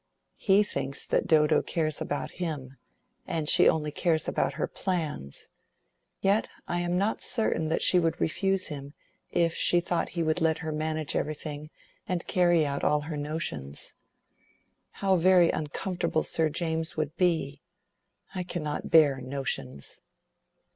"He thinks that Dodo cares about him, and she only cares about her plans. Yet I am not certain that she would refuse him if she thought he would let her manage everything and carry out all her notions. And how very uncomfortable Sir James would be! I cannot bear notions."